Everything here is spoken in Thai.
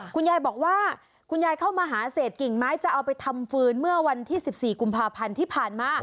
คุณยายบอกว่าคุณยายเข้ามาหาเศษกิ่งไม้จะเอาไปทำฟืนเมื่อวันที่๑๔กุมภาพันธ์ที่ผ่านมา